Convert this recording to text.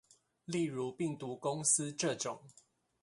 例如病毒公司這種